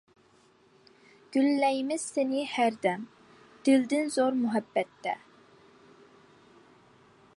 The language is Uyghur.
گۈللەيمىز سىنى ھەردەم، دىلدىن زور مۇھەببەتتە.